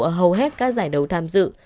ở hầu hết các giải đấu tham dự